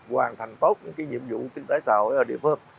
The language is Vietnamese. hoàn thành tốt những cái nhiệm vụ tương tái xã hội ở địa phương